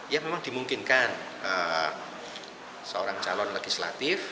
ya memang dimungkinkan seorang calon legislatif